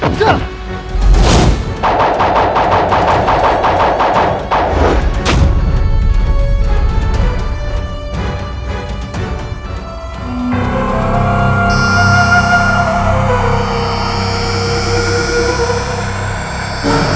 sekarang rasakan jurusuling naga emasku